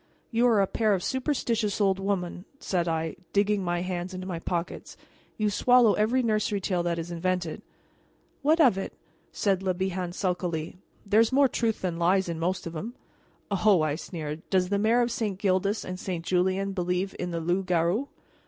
"You are a pair of superstitious old women," said I, digging my hands into my pockets; "you swallow every nursery tale that is invented." "What of it?" said Le Bihan sulkily; "there's more truth than lies in most of 'em." "Oh!" I sneered, "does the Mayor of St. Gildas and St. Julien believe in the loup garou?"